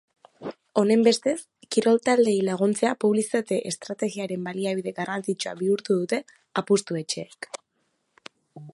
Honenbestez, kirol taldeei laguntzea publizitate estrategiaren baliabide garrantzitsua bihurtu dute apustu etxeek.